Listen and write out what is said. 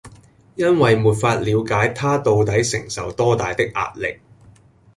因為沒法了解他到底承受多大的壓力